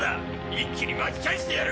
一気に巻き返してやる！